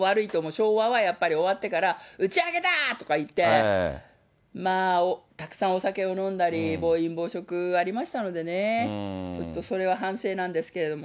昭和は、やっぱり終わってから、打ち上げだ！とか言って、まあ、たくさんお酒を飲んだり、暴飲暴食ありましたのでね、ちょっとそれは反省なんですけれども。